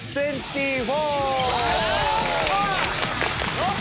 よっ！